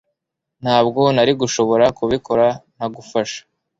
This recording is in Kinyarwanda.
Ntabwo nari gushobora kubikora ntagufasha